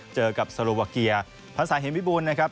เจอกับสรุปวาเกียร์พระสายเห็นวิบูลนะครับ